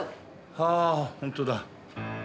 ああ本当だ。